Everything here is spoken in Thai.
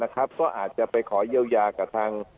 ก็อาจจะไปขอเยียวยากับทาง